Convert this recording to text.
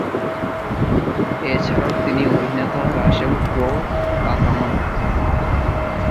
এছাড়াও তিনি অভিনেতা রাসেল ক্রো’র কাকা হন।